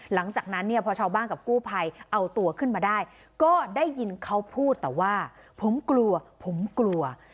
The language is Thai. หลังจากนั้นเนี่ยพอชาวบ้านกับกู้ภัยเอาตัวขึ้นมาได้ก็ได้ยินเขาพูดแต่ว่าผมกลัวผมกลัว